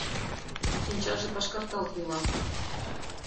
Шинчаже пашкарталт йӱла.